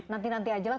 nanti nanti aja lah